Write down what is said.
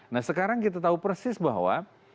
nah sekarang kita tahu persis bahwa